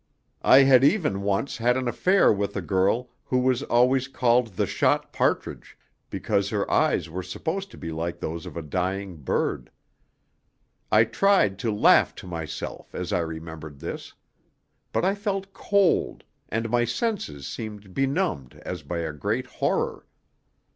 I had even once had an affair with a girl who was always called the shot partridge, because her eyes were supposed to be like those of a dying bird. I tried to laugh to myself as I remembered this. But I felt cold, and my senses seemed benumbed as by a great horror.